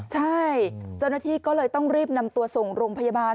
ใช่เจ้าหน้าที่ก็เลยต้องรีบนำตัวส่งโรงพยาบาล